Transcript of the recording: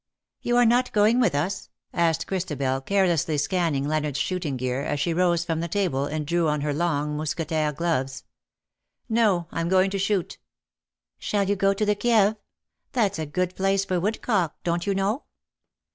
'^ You are not going with us ?'^ asked Christabel, carelessly scanning Leonardos shooting gear, as she rose from the table and drew on her long mous quetaire gloves. ^^No — I^m going to shoot.^^ " Shall you go to the Kieve ? That^s a good place for woodcock, don^t you know